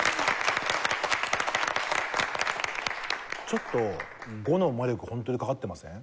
ちょっと５の魔力ホントにかかってません？